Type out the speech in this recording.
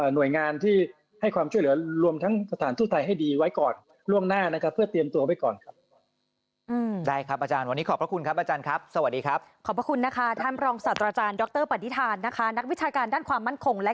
หน่วยงานที่ให้ความช่วยเหลือรวมทางสถานทูตไทยให้ดีไว้ก่อนร่วมหน้านะครับ